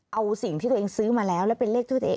เอาสิ่งที่ตัวเองซื้อมาแล้วแล้วเป็นเลขด้วยตัวเอง